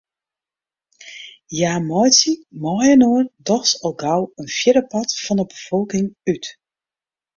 Hja meitsje mei-inoar dochs al gau in fjirdepart fan 'e befolking út.